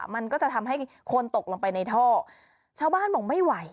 มันก็จะทำให้คนตกลงไปในท่อชาวบ้านบอกไม่ไหว